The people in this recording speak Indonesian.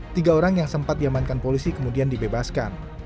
tiga orang yang sempat diamankan polisi kemudian dibebaskan